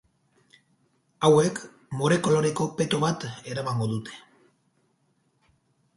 Hauek more koloreko peto bat eramango dute.